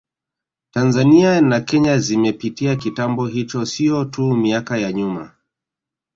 Tanzania na Kenya zimepitia kitambo hicho sio tu miaka ya nyuma